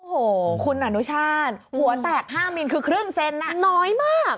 โอ้โหคุณอนุชาติหัวแตก๕มิลคือครึ่งเซนน้อยมาก